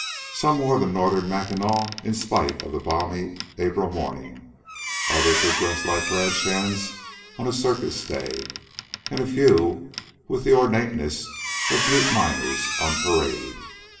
Some wore the northern mackinaw in spite of the balmy April morning, others were dressed like ranch hands on circus day, and a few with the ornateness of Butte miners on parade.